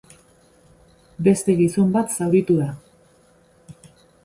Beste gizon bat zauritu da.